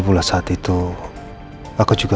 yang euro aja